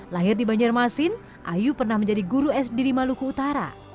lahir di banjarmasin ayu pernah menjadi guru sd di maluku utara